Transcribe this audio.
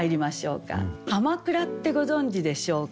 かまくらってご存じでしょうか？